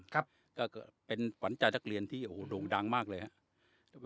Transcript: ก็เป็นหวานใจนักเรียนที่โด่งดังมากเลยครับ